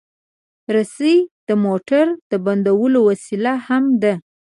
رسۍ د موټر د بندولو وسیله هم ده.